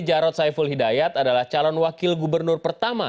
jarod saiful hidayat adalah calon wakil gubernur pertama